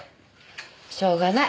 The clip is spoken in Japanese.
しょうがない